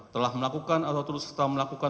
telah melakukan atau terus melakukan